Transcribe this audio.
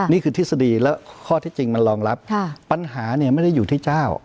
ทฤษฎีแล้วข้อที่จริงมันรองรับปัญหาเนี่ยไม่ได้อยู่ที่เจ้า